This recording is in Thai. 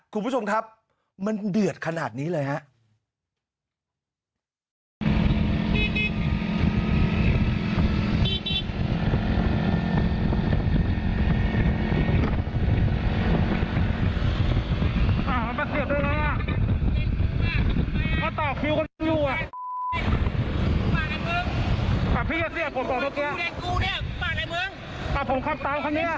คุณผู้ชมครับมันเดือดขนาดนี้เลยฮะ